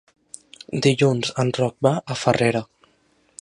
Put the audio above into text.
Dilluns en Roc va a Farrera.